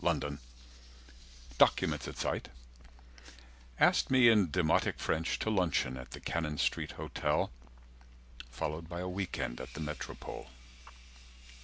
London: documents at sight, Asked me in demotic French To luncheon at the Cannon Street Hotel Followed by a weekend at the Metropole.